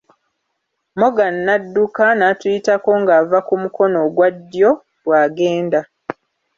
Morgan n'adduka n'atuyitako ng'ava ku mukono ogwa ddyo bw'agenda.